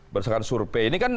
bersama kan surpei